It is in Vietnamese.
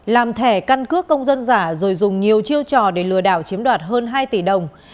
làm thẻ căn cước công dân giả rồi dùng nhiều chiêu trò để lừa đảo chiếm đoạt hơn hai tỷ đồng